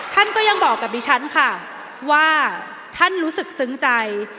ท่านก็ยังบอกกับดิฉันค่ะว่าท่านรู้สึกซึ้งใจ